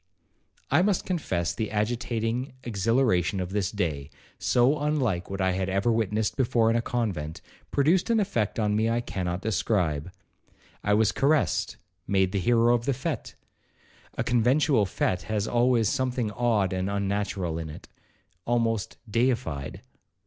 'I must confess the agitating exhilaration of this day, so unlike what I had ever witnessed before in a convent, produced an effect on me I cannot describe. I was caressed,—made the hero of the fete,—(a conventual fete has always something odd and unnatural in it),—almost deified.